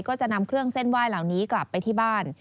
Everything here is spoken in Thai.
ก็จะนำเครื่องเส้นไหว้เหล่านี้กลับไปที่บ้าน